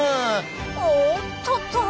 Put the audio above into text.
おっとっと。